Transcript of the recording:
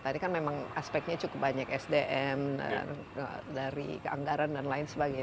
tadi kan memang aspeknya cukup banyak sdm dari keanggaran dan lain sebagainya